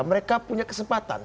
mereka punya kesempatan